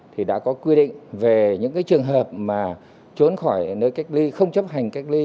thì đã có quy định về những trường hợp mà trốn khỏi nơi cách ly không chấp hành cách ly